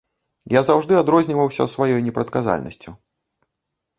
Я заўжды адрозніваўся сваёй непрадказальнасцю.